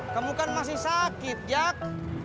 kamu kan masih sakit jak